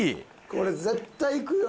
これ絶対いくよ。